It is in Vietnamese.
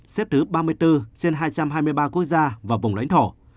là một trăm ba mươi bốn trên hai trăm hai mươi ba quốc gia và vùng lãnh thổ